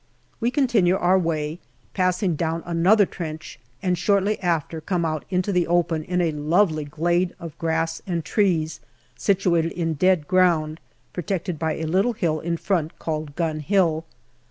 We continue our way, passing down another trench, and shortly after come out into the open in a lovely glade of grass and trees situated in dead ground, protected by a little hill in front called Gun Hill.